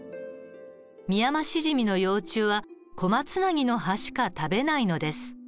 ミヤマシジミの幼虫はコマツナギの葉しか食べないのです。